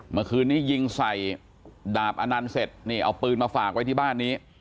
เมื่อคืนนี้ยิงใส่ดาบอนันต์เสร็จนี่เอาปืนมาฝากไว้ที่บ้านนี้